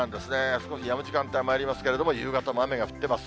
少しやむ時間帯もありますけれども、夕方も雨が降ってます。